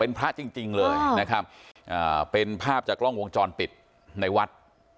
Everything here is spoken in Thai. เป็นพระจริงจริงเลยนะครับเป็นภาพจากกล้องวงจรปิดในวัด